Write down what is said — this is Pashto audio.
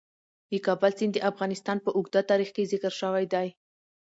د کابل سیند د افغانستان په اوږده تاریخ کې ذکر شوی دی.